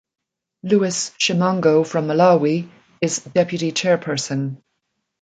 Louis Chimango from Malawi is Deputy Chairperson.